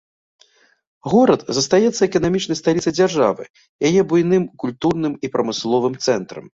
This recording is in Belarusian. Горад застаецца эканамічнай сталіцай дзяржавы, яе буйным культурным і прамысловым цэнтрам.